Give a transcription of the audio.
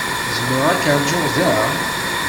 Zemreɣ ad k-ṛjuɣ da?